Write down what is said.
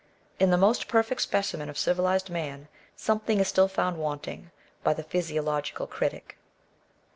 In the most perfect specimen of civilized man something is still found wanting by the physiological critic.